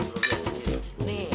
lu lihat sendiri